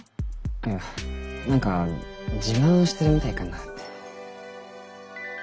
いや何か自慢してるみたいかなって。